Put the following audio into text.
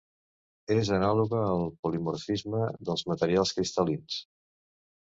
És anàloga al polimorfisme dels materials cristal·lins.